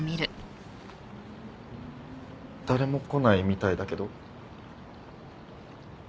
誰も来ないみたいだけど？